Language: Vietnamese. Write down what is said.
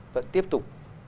vẫn tiếp tục